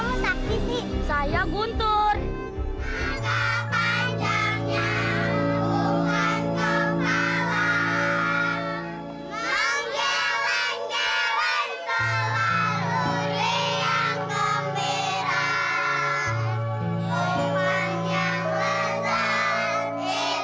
ini dia yang terhut